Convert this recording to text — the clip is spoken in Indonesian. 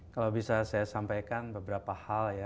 kalau bisa saya sampaikan beberapa hal ya